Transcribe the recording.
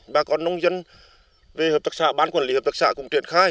bà con nông dân về hợp tác xã ban quản lý hợp tác xã cũng triển khai